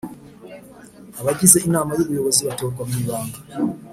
Abagize Inama y ubuyobozi batorwa mu ibanga